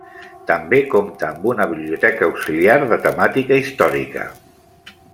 També compta amb una biblioteca auxiliar de temàtica històrica.